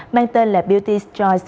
mang tên là beauty s choice